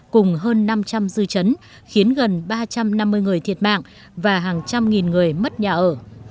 cùng hơn năm trăm linh dư chấn khiến gần ba trăm năm mươi người thiệt mạng và hàng trăm nghìn người mất nhà ở